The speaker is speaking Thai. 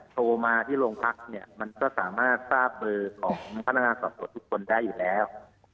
โทรมาที่โรงพักเนี่ยมันก็สามารถทราบเบอร์ของพนักงานสอบสวนทุกคนได้อยู่แล้ว